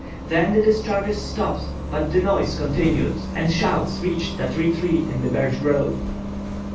Then the discharges stopped, but the noise continued, and shouts reached that retreat in the birch grove.